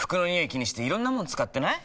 気にしていろんなもの使ってない？